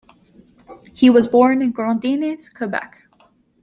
He was born in Grondines, Quebec.